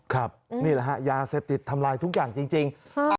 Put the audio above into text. นี่แหละฮะยาเสพติดทำลายทุกอย่างจริง